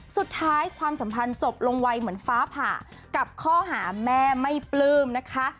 สุดท้ายความสัมพันธ์จบลงไวเหมือนฟ้าผ่ากับข้อหาแม่ไม่ปลื้มนะคะ